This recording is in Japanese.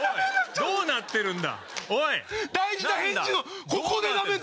どうなってるんだ？